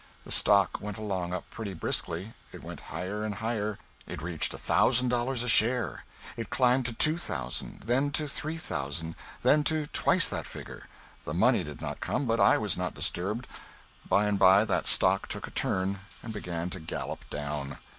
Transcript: The stock went along up pretty briskly. It went higher and higher. It reached a thousand dollars a share. It climbed to two thousand, then to three thousand; then to twice that figure. The money did not come, but I was not disturbed. By and by that stock took a turn and began to gallop down.